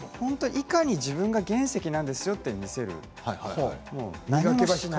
いかに自分が原石なんですよと見せるか。